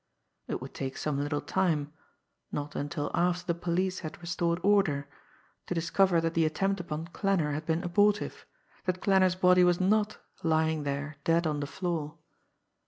It would take some little time not until after the police had restored order to discover that the attempt upon Klanner had been abortive, that Klanner's body was not lying there dead on the floor.